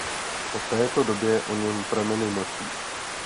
Po této době o něm prameny mlčí.